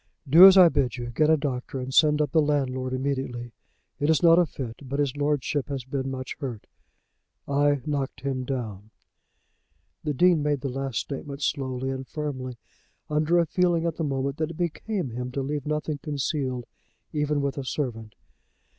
"Do as I bid you; get a doctor and send up the landlord immediately. It is not a fit, but his lordship has been much hurt. I knocked him down." The Dean made the last statement slowly and firmly, under a feeling at the moment that it became him to leave nothing concealed, even with a servant.